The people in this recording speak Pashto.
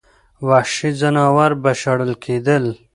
وحشي ځناور به شړل کېدل.